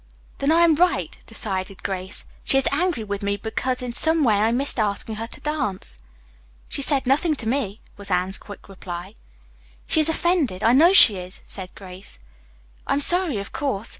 "Then I am right," decided Grace. "She is angry with me because in some way I missed asking her to dance." "She said nothing to me," was Anne's quick reply. "She is offended, I know she is," said Grace. "I'm sorry, of course.